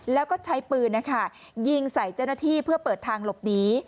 แล้วก็ใช้ปืนนะคะยิงใส่เจ้าหน้าที่เพื่อเปิดทางหลบหนี